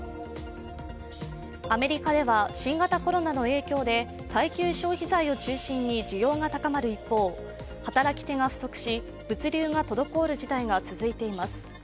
アメリカでは新型コロナの影響で耐久消費財を中心に需要が高まる一方働き手が不足し物流が滞る事態が続いています。